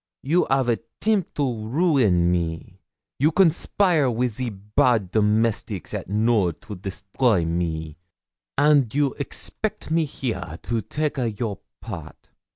You 'av attempt to ruin me you conspire with the bad domestics at Knowl to destroy me and you expect me here to take a your part!